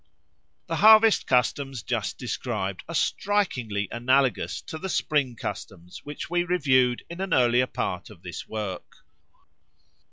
The harvest customs just described are strikingly analogous to the spring customs which we reviewed in an earlier part of this work.